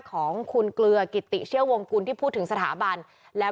ถ้าเกิดว่าอีกกว่านี้ตั้งไม่ได้เนี่ยค่ะ